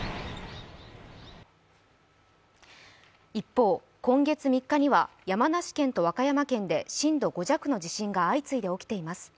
一方、今月３日は山梨県と和歌山県で震度５弱を観測する地震が相次いでいます。